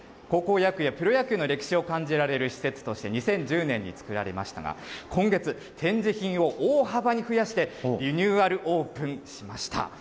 高校野球やプロ野球の歴史を感じられる施設として２０１０年に作られましたが、今月、展示品を大幅に増やして、リニューアルオープンしました。